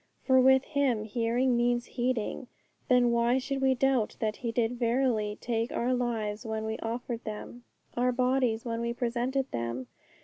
For with Him hearing means heeding. Then why should we doubt that He did verily take our lives when we offered them our bodies when we presented them?